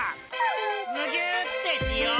むぎゅーってしよう！